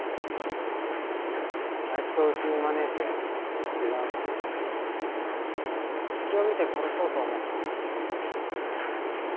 あいつをうちに招いて油断させて隙を見て殺そうと思ったのに。